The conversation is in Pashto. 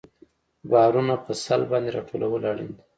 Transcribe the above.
بارونه په سلب باندې راټولول اړین دي